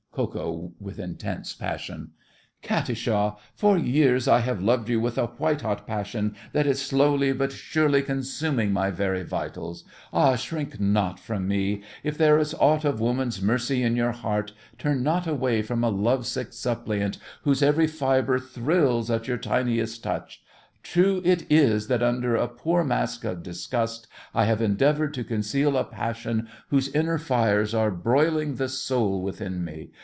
KO. (with intense passion). Katisha, for years I have loved you with a white hot passion that is slowly but surely consuming my very vitals! Ah, shrink not from me! If there is aught of woman's mercy in your heart, turn not away from a love sick suppliant whose every fibre thrills at your tiniest touch! True it is that, under a poor mask of disgust, I have endeavoured to conceal a passion whose inner fires are broiling the soul within me!